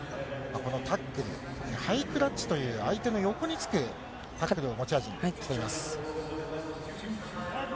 このタックル、特にハイクラッチという相手の横につく角度を持ち味に入ります。